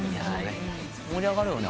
盛り上がるよね。